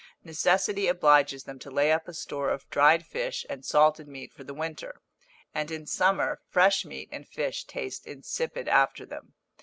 Necessity obliges them to lay up a store of dried fish and salted meat for the winter; and in summer, fresh meat and fish taste insipid after them.